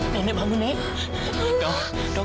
nenek bangun nek